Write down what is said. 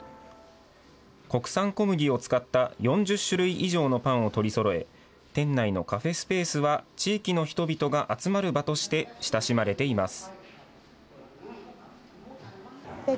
国産小麦を使った４０種類以上のパンを取りそろえ、店内のカフェスペースは、地域の人々が集まる場として親しまれています。